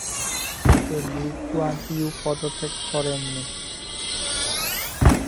কিন্তু Lee Kuan Yew পদত্যাগ করেননি।